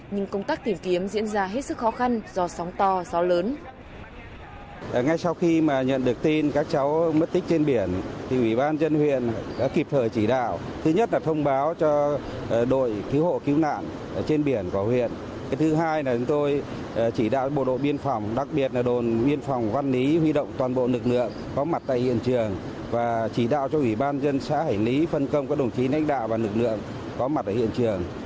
nhưng công tác tìm kiếm diễn ra hết sức khó khăn do sóng to gió lớn